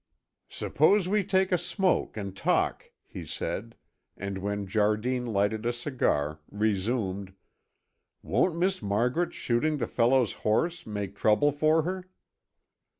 "Suppose we take a smoke and talk," he said, and when Jardine lighted a cigar resumed: "Won't Miss Margaret's shooting the fellow's horse make trouble for her?"